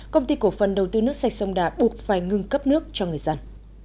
công ty cổ phân đầu tư nước sạch sông đà buộc phải ngưng cấp nước cho người dân